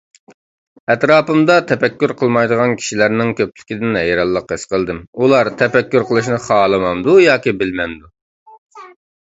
ئەتراپىمدا تەپەككۇر قىلمايدىغان كىشىلەرنىڭ كۆپلۈكىدىن ھەيرانلىق ھېس قىلدىم. ئۇلار تەپەككۇر قىلىشنى خالىمامدۇ ياكى بىلمەمدۇ؟